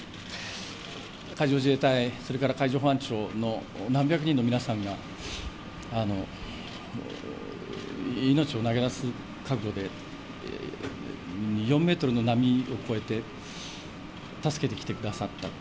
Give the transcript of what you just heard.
海上自衛隊、それから海上保安庁の何百人の皆さんが、命を投げ出す覚悟で、４メートルの波を越えて助けに来てくださったと。